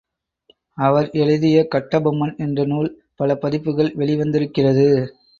அவர் எழுதிய கட்டபொம்மன் என்ற நூல் பலபதிப்புகள் வெளி வந்திருக்கிறது.